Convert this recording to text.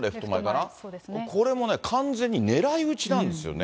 これも完全に狙い打ちなんですよね。